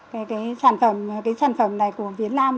cái sản phẩm này của việt nam